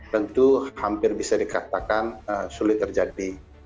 tentu hampir bisa dikatakan sulit terjadi